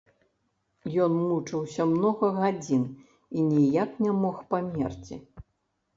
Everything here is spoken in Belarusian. Ён мучыўся многа гадзін і ніяк не мог памерці.